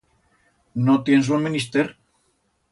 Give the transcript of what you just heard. No tiens lo menister.